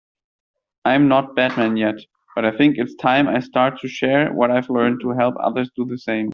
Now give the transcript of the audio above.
I'm not Batman yet, but I think it's time I start to share what I've learned to help others do the same.